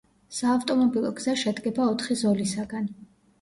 საავტომობილო გზა შედგება ოთხი ზოლისაგან.